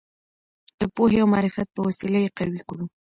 د پوهې او معرفت په وسیله یې قوي کړو.